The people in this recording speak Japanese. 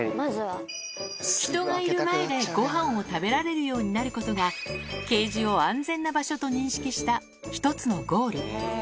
人がいる前で、ごはんを食べられるようになることが、ケージを安全な場所と認識した、一つのゴール。